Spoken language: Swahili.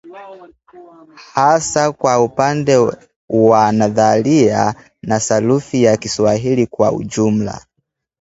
hasa kwa upande wa nadharia na sarufi ya Kiswahili kwa ujumla